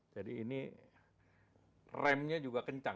jadi ini remnya juga kencang